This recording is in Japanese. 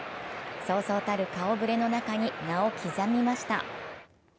そうそうたる顔ぶれの中に名を刻みました。